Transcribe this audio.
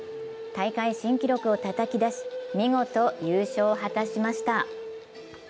大会新記録をたたき出し、見事、優勝を果たしました。